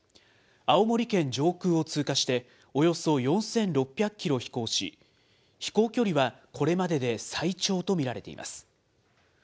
青森県上空を通過して、およそ４６００キロ飛行し、飛行距離はこれまでで最長と見られています。